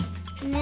ね